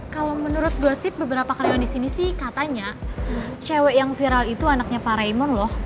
kalau menurut gosip beberapa karyawan di sini sih katanya cewek yang viral itu anaknya pak raimun loh